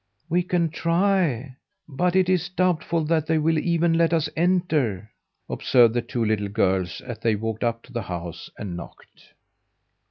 "We can try, but it is doubtful that they will even let us enter," observed the two little girls as they walked up to the house and knocked.